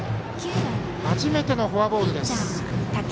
初めてのフォアボールです。